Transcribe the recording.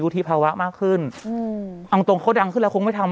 ยูทีภาวะมากขึ้นอืมอังตรงอันของดังขึ้นแล้วคงไม่ทำ